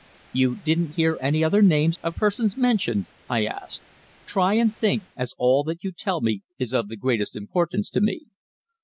"You didn't hear any other names of persons mentioned?" I asked. "Try and think, as all that you tell me is of the greatest importance to me."